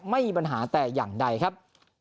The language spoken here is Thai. ไม่มีปัญหาแต่อย่างใดครับ